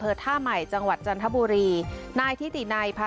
เผลอเท่าใหม่จังหวัดจันทรบุรีนายที่ตินายภา